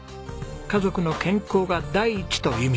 「家族の健康が第一」と友美さん。